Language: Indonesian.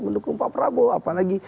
mendukung pak prabowo apalagi